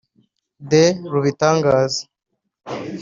de rubitangaza